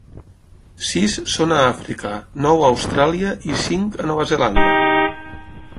Sis són a Àfrica, nou a Austràlia i cinc a Nova Zelanda.